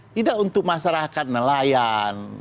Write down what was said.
tidak untuk masyarakat nelayan